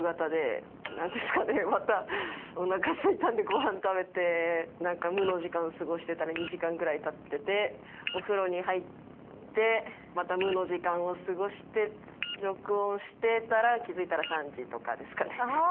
何ですかねまたお腹すいたんでごはん食べて無の時間過ごしてたら２時間ぐらいたっててお風呂に入ってまた無の時間を過ごして録音してたら気付いたら３時とかですかね。